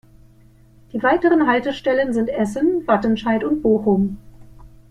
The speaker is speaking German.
Die weiteren Haltestellen sind Essen, Wattenscheid und Bochum.